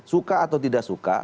suka atau tidak suka